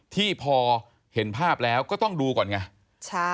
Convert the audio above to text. ที่พอเห็นภาพแล้วก็ต้องดูก่อนไง